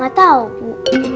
gak tau bu